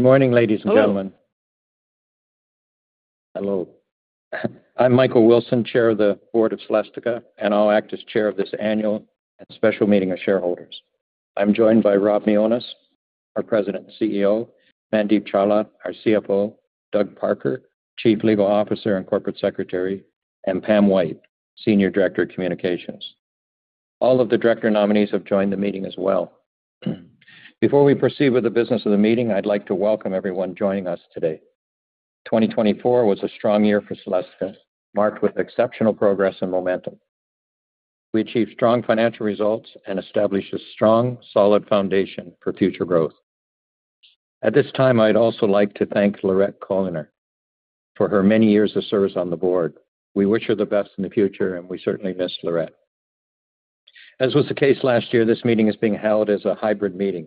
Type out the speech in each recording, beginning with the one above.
Good morning, ladies and gentlemen. Hello. I'm Michael Wilson, Chair of the Board of Celestica, and I'll act as Chair of this annual and special meeting of shareholders. I'm joined by Rob Mionis, our President and CEO, Mandeep Chawla, our CFO, Doug Parker, Chief Legal Officer and Corporate Secretary, and Pam White, Senior Director of Communications. All of the director nominees have joined the meeting as well. Before we proceed with the business of the meeting, I'd like to welcome everyone joining us today. 2024 was a strong year for Celestica, marked with exceptional progress and momentum. We achieved strong financial results and established a strong, solid foundation for future growth. At this time, I'd also like to thank Laurette Koellner for her many years of service on the board. We wish her the best in the future, and we certainly miss Laurette. As was the case last year, this meeting is being held as a hybrid meeting.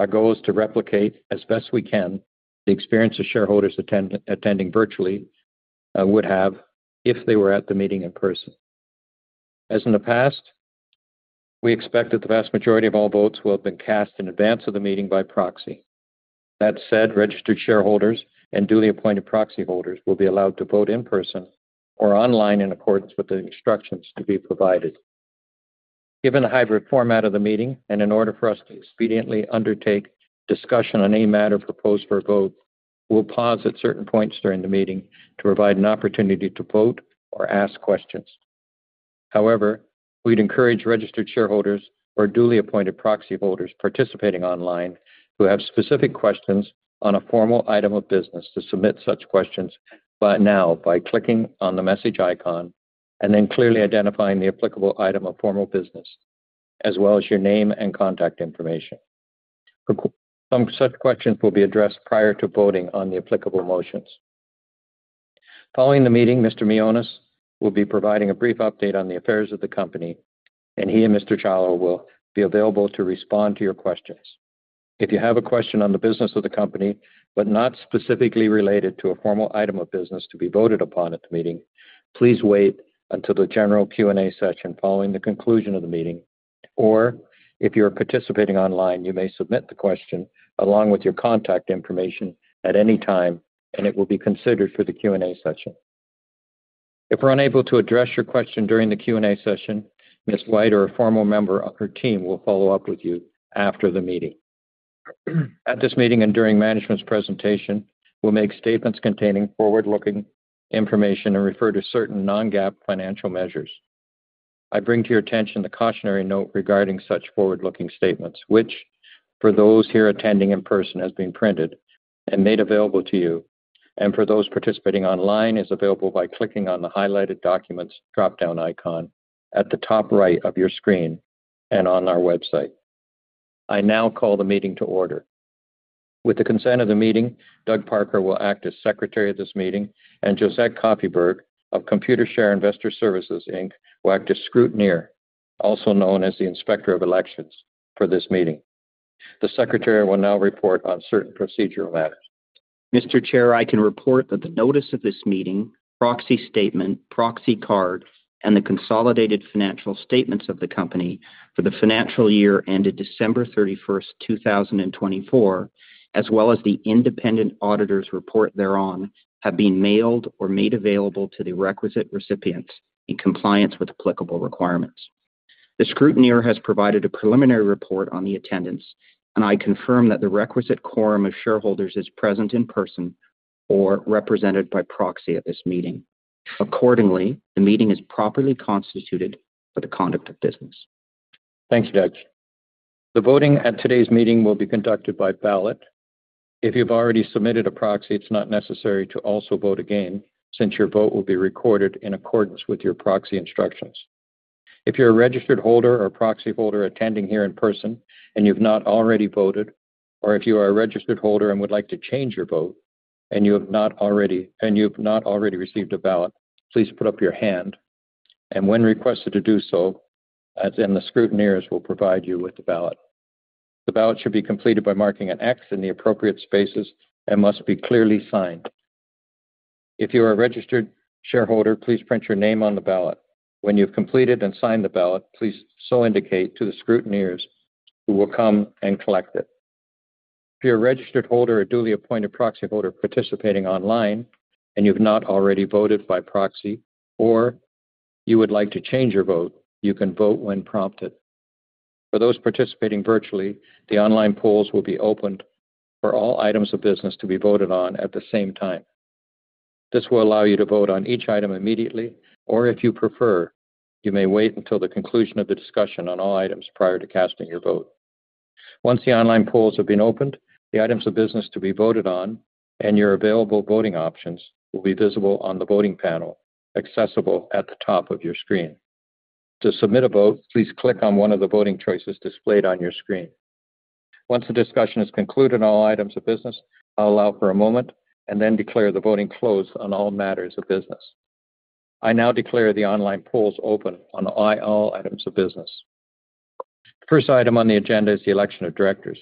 Our goal is to replicate, as best we can, the experience that shareholders attending virtually would have if they were at the meeting in person. As in the past, we expect that the vast majority of all votes will have been cast in advance of the meeting by proxy. That said, registered shareholders and duly appointed proxy holders will be allowed to vote in person or online in accordance with the instructions to be provided. Given the hybrid format of the meeting, and in order for us to expediently undertake discussion on any matter proposed for a vote, we'll pause at certain points during the meeting to provide an opportunity to vote or ask questions. However, we'd encourage registered shareholders or duly appointed proxy holders participating online who have specific questions on a formal item of business to submit such questions now by clicking on the message icon and then clearly identifying the applicable item of formal business, as well as your name and contact information. Some such questions will be addressed prior to voting on the applicable motions. Following the meeting, Mr. Mionis will be providing a brief update on the affairs of the company, and he and Mr. Chawla will be available to respond to your questions. If you have a question on the business of the company but not specifically related to a formal item of business to be voted upon at the meeting, please wait until the general Q&A session following the conclusion of the meeting, or if you are participating online, you may submit the question along with your contact information at any time, and it will be considered for the Q&A session. If we're unable to address your question during the Q&A session, Ms. White or a formal member of her team will follow up with you after the meeting. At this meeting and during management's presentation, we'll make statements containing forward-looking information and refer to certain non-GAAP financial measures. I bring to your attention the cautionary note regarding such forward-looking statements, which, for those here attending in person, has been printed and made available to you, and for those participating online, is available by clicking on the highlighted documents dropdown icon at the top right of your screen and on our website. I now call the meeting to order. With the consent of the meeting, Doug Parker will act as Secretary of this meeting, and Josette Koffyberg of Computershare Investor Services, Inc. will act as scrutineer, also known as the Inspector of Elections, for this meeting. The Secretary will now report on certain procedural matters. Mr. Chair, I can report that the notice of this meeting, proxy statement, proxy card, and the consolidated financial statements of the company for the financial year ended December 31st, 2024, as well as the independent auditor's report thereon, have been mailed or made available to the requisite recipients in compliance with applicable requirements. The scrutineer has provided a preliminary report on the attendance, and I confirm that the requisite quorum of shareholders is present in person or represented by proxy at this meeting. Accordingly, the meeting is properly constituted for the conduct of business. Thank you, Judge. The voting at today's meeting will be conducted by ballot. If you've already submitted a proxy, it's not necessary to also vote again since your vote will be recorded in accordance with your proxy instructions. If you're a registered holder or proxy holder attending here in person and you've not already voted, or if you are a registered holder and would like to change your vote and you have not already received a ballot, please put up your hand, and when requested to do so, the scrutineers will provide you with the ballot. The ballot should be completed by marking an X in the appropriate spaces and must be clearly signed. If you are a registered shareholder, please print your name on the ballot. When you've completed and signed the ballot, please so indicate to the scrutineers who will come and collect it. If you're a registered holder or duly appointed proxy holder participating online and you've not already voted by proxy or you would like to change your vote, you can vote when prompted. For those participating virtually, the online polls will be opened for all items of business to be voted on at the same time. This will allow you to vote on each item immediately, or if you prefer, you may wait until the conclusion of the discussion on all items prior to casting your vote. Once the online polls have been opened, the items of business to be voted on and your available voting options will be visible on the voting panel, accessible at the top of your screen. To submit a vote, please click on one of the voting choices displayed on your screen. Once the discussion has concluded on all items of business, I'll allow for a moment and then declare the voting closed on all matters of business. I now declare the online polls open on all items of business. The first item on the agenda is the election of directors.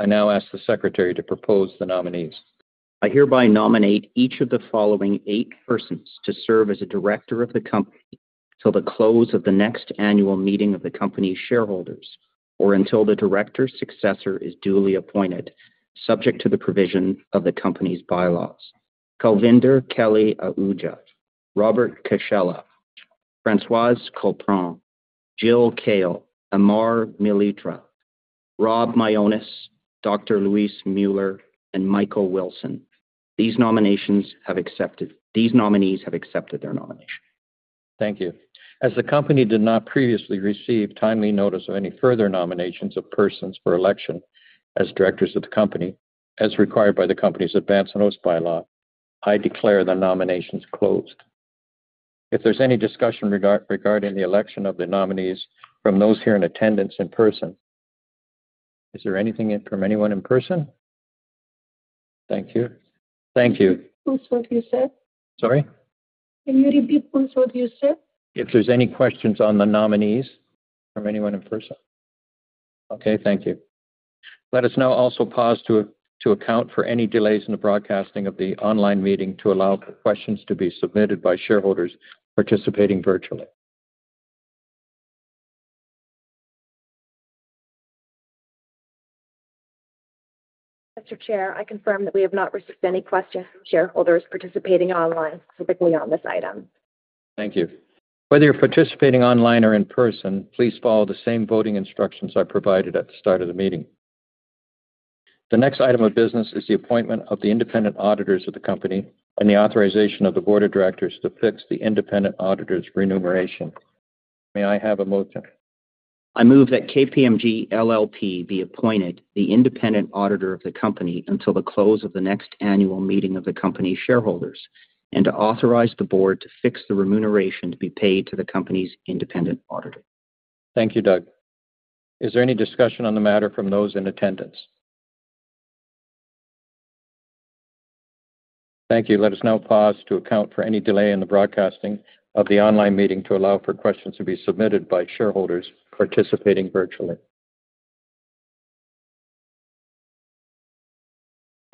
I now ask the Secretary to propose the nominees. I hereby nominate each of the following eight persons to serve as a Director of the company till the close of the next annual meeting of the company's shareholders or until the director's successor is duly appointed, subject to the provision of the Company's bylaws. Kulvinder Kelly Ohuja, Robert Cascella, Francoise Colpron, Jill Kale, Amar Maletira, Rob Mionis, Dr. Luis Muller, and Michael Wilson. These nominees have accepted their nomination. Thank you. As the company did not previously receive timely notice of any further nominations of persons for election as Directors of the company, as required by the company's advance and host bylaw, I declare the nominations closed. If there is any discussion regarding the election of the nominees from those here in attendance in person, is there anything from anyone in person? Thank you. Thank you. Who's what you said? Sorry? Can you repeat what you said? If there's any questions on the nominees from anyone in person? Okay, thank you. Let us now also pause to account for any delays in the broadcasting of the online meeting to allow for questions to be submitted by shareholders participating virtually. Mr. Chair, I confirm that we have not received any questions from shareholders participating online specifically on this item. Thank you. Whether you're participating online or in person, please follow the same voting instructions I provided at the start of the meeting. The next item of business is the appointment of the independent auditors of the company and the authorization of the Board of Directors to fix the independent auditor's remuneration. May I have a motion? I move that KPMG LLP be appointed the independent auditor of the company until the close of the next annual meeting of the company's shareholders and to authorize the Board to fix the remuneration to be paid to the company's independent auditor. Thank you, Doug. Is there any discussion on the matter from those in attendance? Thank you. Let us now pause to account for any delay in the broadcasting of the online meeting to allow for questions to be submitted by shareholders participating virtually.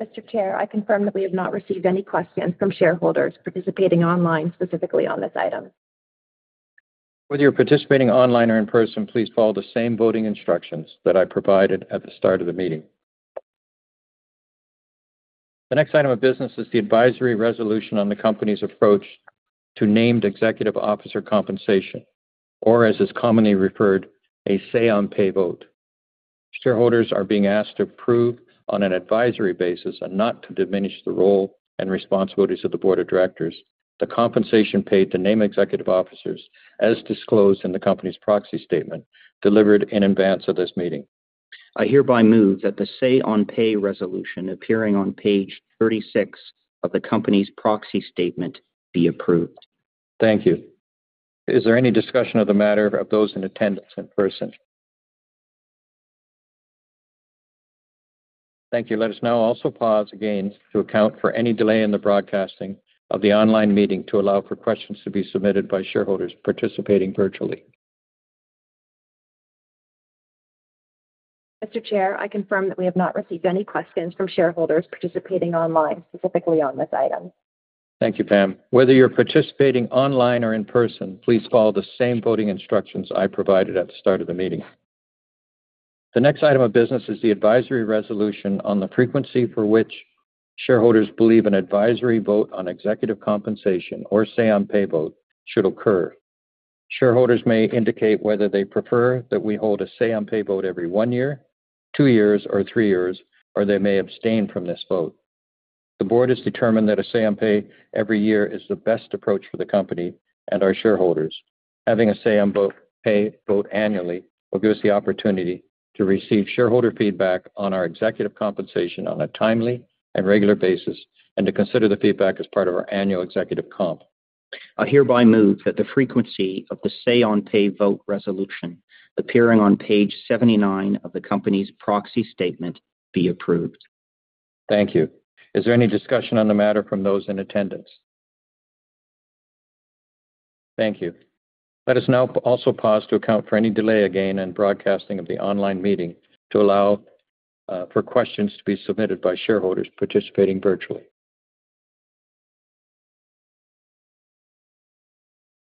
Mr. Chair, I confirm that we have not received any questions from shareholders participating online specifically on this item. Whether you're participating online or in person, please follow the same voting instructions that I provided at the start of the meeting. The next item of business is the advisory resolution on the company's approach to named executive officer compensation, or as it's commonly referred, a say-on-pay vote. Shareholders are being asked to approve on an advisory basis and not to diminish the role and responsibilities of the Board of Directors the compensation paid to named executive officers, as disclosed in the company's proxy statement delivered in advance of this meeting. I hereby move that the say-on-pay resolution appearing on page 36 of the company's proxy statement be approved. Thank you. Is there any discussion of the matter of those in attendance in person? Thank you. Let us now also pause again to account for any delay in the broadcasting of the online meeting to allow for questions to be submitted by shareholders participating virtually. Mr. Chair, I confirm that we have not received any questions from shareholders participating online specifically on this item. Thank you, Pam. Whether you're participating online or in person, please follow the same voting instructions I provided at the start of the meeting. The next item of business is the advisory resolution on the frequency for which shareholders believe an advisory vote on executive compensation or say-on-pay vote should occur. Shareholders may indicate whether they prefer that we hold a say-on-pay vote every one year, two years, or three years, or they may abstain from this vote. The Board has determined that a say-on-pay every year is the best approach for the company and our shareholders. Having a say-on-pay vote annually will give us the opportunity to receive shareholder feedback on our executive compensation on a timely and regular basis and to consider the feedback as part of our annual executive comp. I hereby move that the frequency of the say-on-pay vote resolution appearing on page 79 of the company's proxy statement be approved. Thank you. Is there any discussion on the matter from those in attendance? Thank you. Let us now also pause to account for any delay again in broadcasting of the online meeting to allow for questions to be submitted by shareholders participating virtually.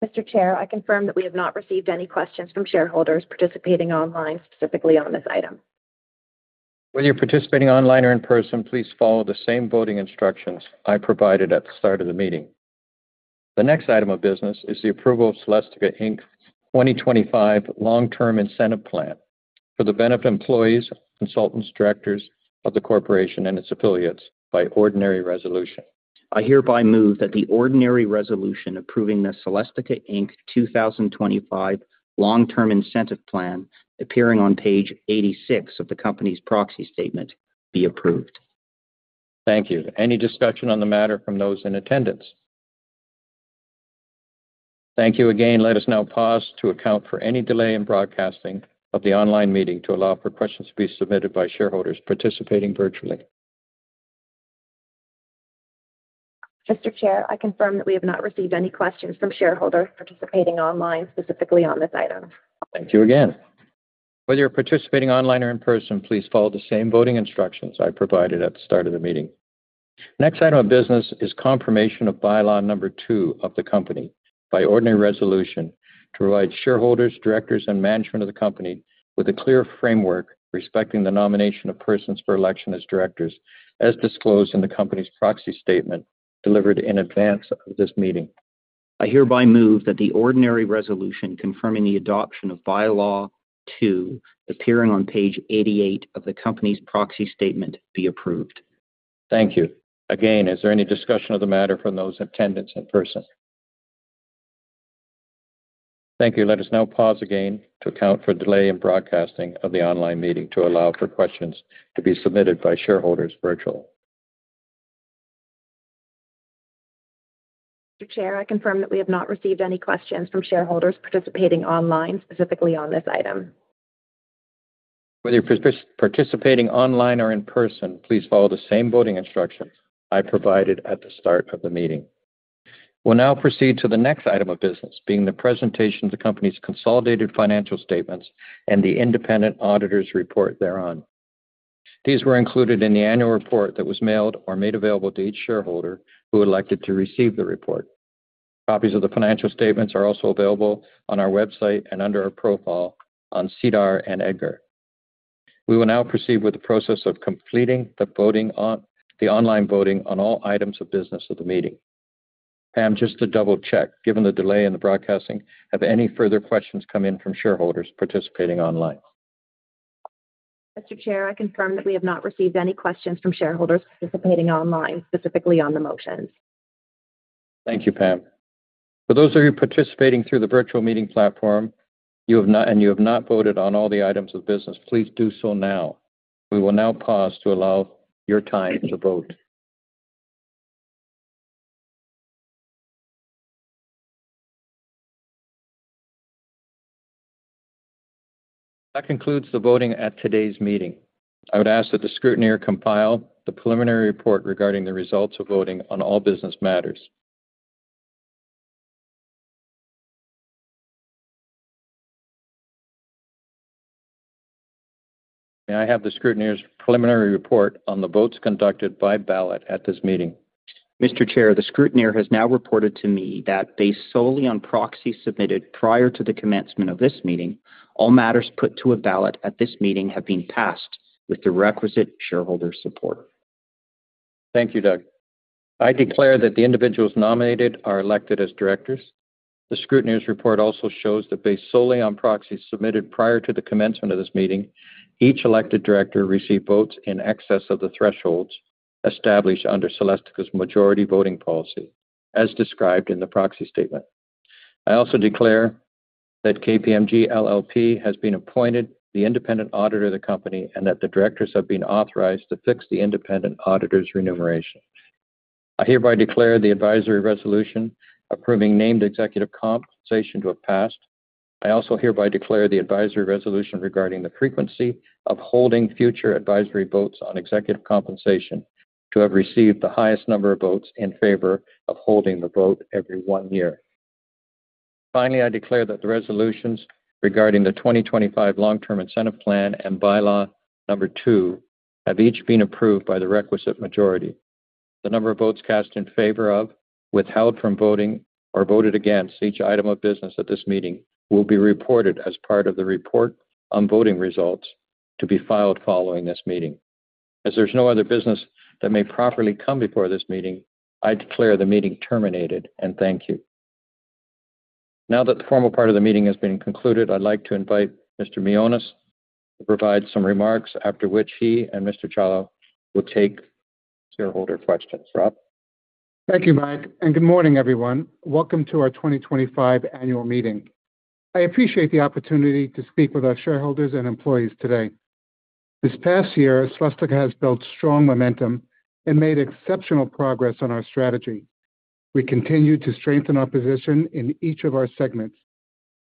Mr. Chair, I confirm that we have not received any questions from shareholders participating online specifically on this item. Whether you're participating online or in person, please follow the same voting instructions I provided at the start of the meeting. The next item of business is the approval of Celestica Inc 2025 Long-Term Incentive Plan for the benefit of employees, consultants, directors of the corporation, and its affiliates by ordinary resolution. I hereby move that the ordinary resolution approving the Celestica Inc 2025 Long-Term Incentive Plan appearing on page 86 of the company's proxy statement be approved. Thank you. Any discussion on the matter from those in attendance? Thank you again. Let us now pause to account for any delay in broadcasting of the online meeting to allow for questions to be submitted by shareholders participating virtually. Mr. Chair, I confirm that we have not received any questions from shareholders participating online specifically on this item. Thank you again. Whether you're participating online or in person, please follow the same voting instructions I provided at the start of the meeting. The next item of business is confirmation of Bylaw Number Two of the company by ordinary resolution to provide shareholders, directors, and management of the company with a clear framework respecting the nomination of persons for election as directors as disclosed in the company's proxy statement delivered in advance of this meeting. I hereby move that the ordinary resolution confirming the adoption of bylaw two appearing on page 88 of the company's proxy statement be approved. Thank you. Again, is there any discussion of the matter from those in attendance in person? Thank you. Let us now pause again to account for delay in broadcasting of the online meeting to allow for questions to be submitted by shareholders virtually. Mr. Chair, I confirm that we have not received any questions from shareholders participating online specifically on this item. Whether you're participating online or in person, please follow the same voting instructions I provided at the start of the meeting. We'll now proceed to the next item of business, being the presentation of the company's consolidated financial statements and the independent auditor's report thereon. These were included in the annual report that was mailed or made available to each shareholder who elected to receive the report. Copies of the financial statements are also available on our website and under our profile on SEDAR and EDGAR. We will now proceed with the process of completing the online voting on all items of business of the meeting. Pam, just to double-check, given the delay in the broadcasting, have any further questions come in from shareholders participating online? Mr. Chair, I confirm that we have not received any questions from shareholders participating online specifically on the motions. Thank you, Pam. For those of you participating through the virtual meeting platform and you have not voted on all the items of business, please do so now. We will now pause to allow your time to vote. That concludes the voting at today's meeting. I would ask that the scrutineer compile the preliminary report regarding the results of voting on all business matters. May I have the scrutineer's preliminary report on the votes conducted by ballot at this meeting? Mr. Chair, the scrutineer has now reported to me that based solely on proxies submitted prior to the commencement of this meeting, all matters put to a ballot at this meeting have been passed with the requisite shareholder support. Thank you, Doug. I declare that the individuals nominated are elected as directors. The scrutineer's report also shows that based solely on proxies submitted prior to the commencement of this meeting, each elected director received votes in excess of the thresholds established under Celestica's Majority Voting Policy, as described in the proxy statement. I also declare that KPMG LLP has been appointed the independent auditor of the company and that the directors have been authorized to fix the independent auditor's remuneration. I hereby declare the advisory resolution approving Named Executive Compensation to have passed. I also hereby declare the advisory resolution regarding the frequency of holding future advisory votes on executive compensation to have received the highest number of votes in favor of holding the vote every one year. Finally, I declare that the resolutions regarding the 2025 Long-Term Incentive Plan and Bylaw Number Two have each been approved by the requisite majority. The number of votes cast in favor of, withheld from voting, or voted against each item of business at this meeting will be reported as part of the report on voting results to be filed following this meeting. As there's no other business that may properly come before this meeting, I declare the meeting terminated and thank you. Now that the formal part of the meeting has been concluded, I'd like to invite Mr. Mionis to provide some remarks, after which he and Mr. Chawla will take shareholder questions. Rob? Thank you, Mike, and good morning, everyone. Welcome to our 2025 annual meeting. I appreciate the opportunity to speak with our shareholders and employees today. This past year, Celestica has built strong momentum and made exceptional progress on our strategy. We continue to strengthen our position in each of our segments,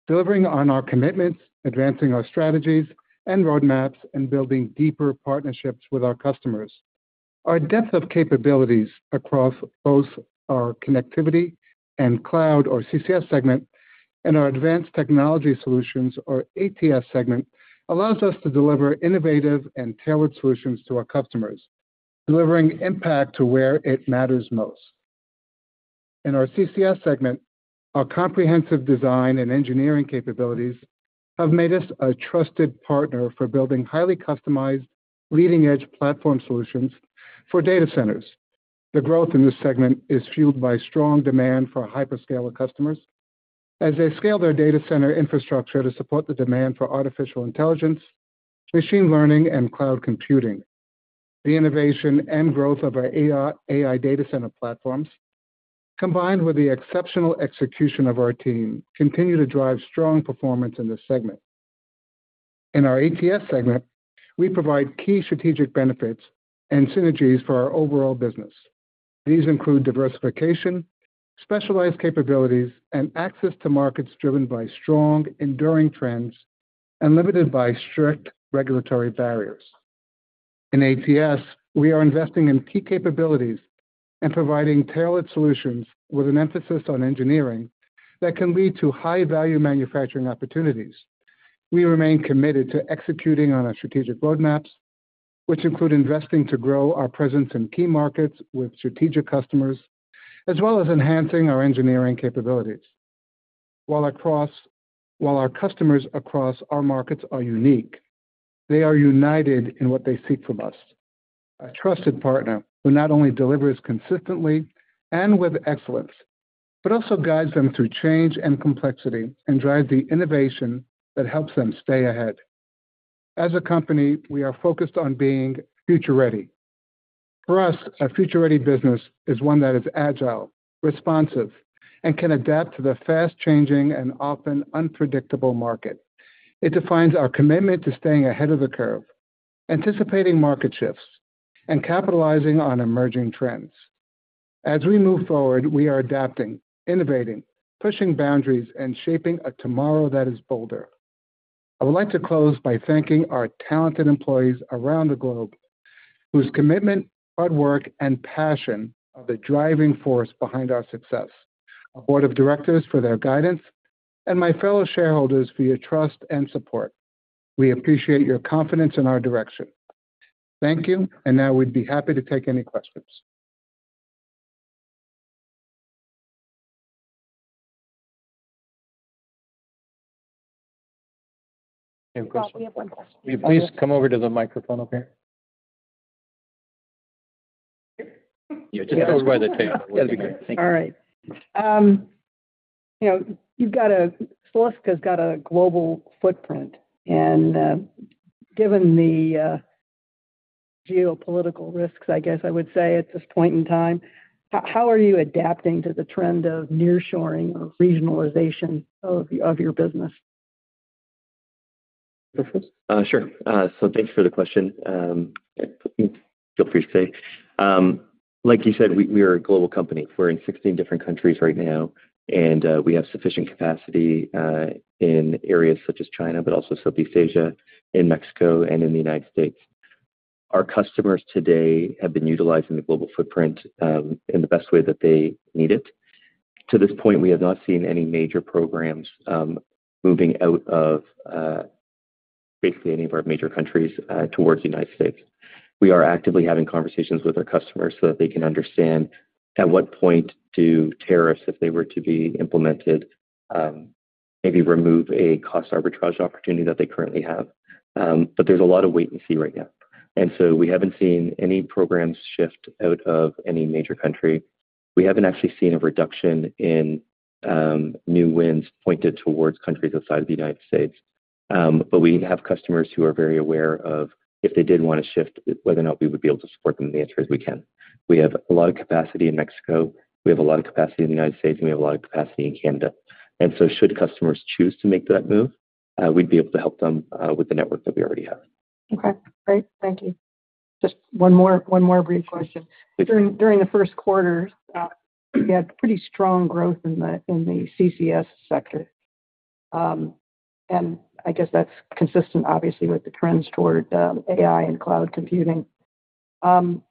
delivering on our commitments, advancing our strategies and roadmaps, and building deeper partnerships with our customers. Our depth of capabilities across both our Connectivity and Cloud Solutions, or CCS, segment, and our Advanced Technology Solutions, or ATS, segment, allows us to deliver innovative and tailored solutions to our customers, delivering impact to where it matters most. In our CCS segment, our comprehensive design and engineering capabilities have made us a trusted partner for building highly customized, leading-edge platform solutions for data centers. The growth in this segment is fueled by strong demand for hyperscaler customers as they scale their data center infrastructure to support the demand for artificial intelligence, machine learning, and cloud computing. The innovation and growth of our AI data center platforms, combined with the exceptional execution of our team, continue to drive strong performance in this segment. In our ATS segment, we provide key strategic benefits and synergies for our overall business. These include diversification, specialized capabilities, and access to markets driven by strong, enduring trends and limited by strict regulatory barriers. In ATS, we are investing in key capabilities and providing tailored solutions with an emphasis on engineering that can lead to high-value manufacturing opportunities. We remain committed to executing on our strategic roadmaps, which include investing to grow our presence in key markets with strategic customers, as well as enhancing our engineering capabilities. While our customers across our markets are unique, they are united in what they seek from us: a trusted partner who not only delivers consistently and with excellence, but also guides them through change and complexity and drives the innovation that helps them stay ahead. As a company, we are focused on being future-ready. For us, a future-ready business is one that is agile, responsive, and can adapt to the fast-changing and often unpredictable market. It defines our commitment to staying ahead of the curve, anticipating market shifts, and capitalizing on emerging trends. As we move forward, we are adapting, innovating, pushing boundaries, and shaping a tomorrow that is bolder. I would like to close by thanking our talented employees around the globe whose commitment, hard work, and passion are the driving force behind our success. Our Board of Directors for their guidance and my fellow shareholders for your trust and support. We appreciate your confidence in our direction. Thank you, and now we'd be happy to take any questions. We have one question. Please come over to the microphone up here. Yeah, just over by the table. All right. You've got a Celestica's got a global footprint. Given the geopolitical risks, I guess I would say at this point in time, how are you adapting to the trend of nearshoring or regionalization of your business? Sure. So thanks for the question. Feel free to say. Like you said, we are a global company. We're in 16 different countries right now, and we have sufficient capacity in areas such as China, but also Southeast Asia, in Mexico, and in the United States. Our customers today have been utilizing the global footprint in the best way that they need it. To this point, we have not seen any major programs moving out of basically any of our major countries towards the United States. We are actively having conversations with our customers so that they can understand at what point do tariffs, if they were to be implemented, maybe remove a cost arbitrage opportunity that they currently have. There's a lot of wait and see right now. We haven't seen any programs shift out of any major country. We haven't actually seen a reduction in new wins pointed towards countries outside of the United States. We have customers who are very aware of if they did want to shift, whether or not we would be able to support them, and the answer is we can. We have a lot of capacity in Mexico. We have a lot of capacity in the United States, and we have a lot of capacity in Canada. Should customers choose to make that move, we'd be able to help them with the network that we already have. Okay. Great. Thank you. Just one more brief question. During the first quarter, you had pretty strong growth in the CCS sector. I guess that's consistent, obviously, with the trends toward AI and cloud computing. How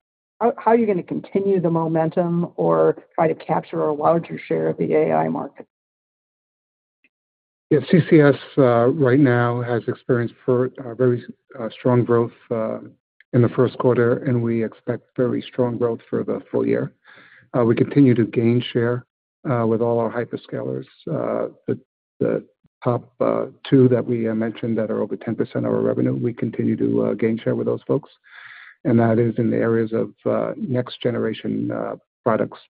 are you going to continue the momentum or try to capture a larger share of the AI market? Yeah. CCS right now has experienced very strong growth in the first quarter, and we expect very strong growth for the full year. We continue to gain share with all our hyperscalers. The top two that we mentioned that are over 10% of our revenue, we continue to gain share with those folks. That is in the areas of next-generation products.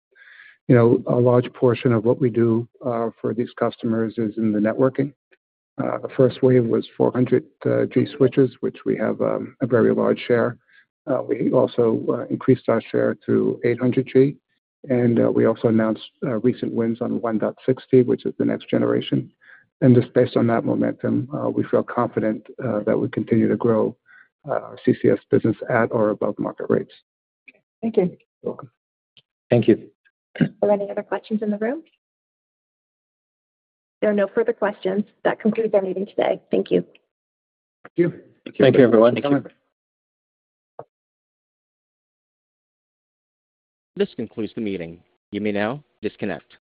A large portion of what we do for these customers is in the networking. The first wave was 400G switches, which we have a very large share. We also increased our share to 800G. We also announced recent wins on 1.6T, which is the next generation. Just based on that momentum, we feel confident that we continue to grow our CCS business at or above market rates. Thank you. You're welcome. Thank you. Do we have any other questions in the room? There are no further questions. That concludes our meeting today. Thank you. Thank you. Thank you, everyone. This concludes the meeting. You may now disconnect.